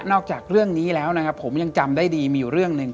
จากเรื่องนี้แล้วนะครับผมยังจำได้ดีมีอยู่เรื่องหนึ่ง